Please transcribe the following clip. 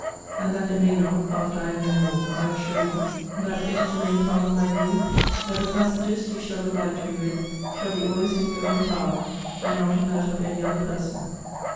And that it may not, after I am no more, I assure you, that it is a main part of my view that the passages you shall oblige me with shall be always in your own power, and not in that of any other person.